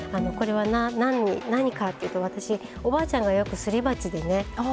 これは何かっていうと私おばあちゃんがよくすり鉢でね